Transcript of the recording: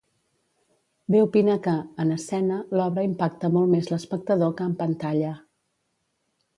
Be opina que, en escena, l'obra impacta molt més l'espectador que en pantalla.